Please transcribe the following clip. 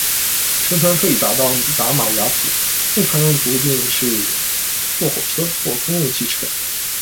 乘船可以到达玛雅普，更常用途径的是坐火车或公共汽车。